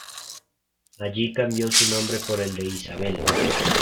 Allí cambió su nombre por el de Isabel.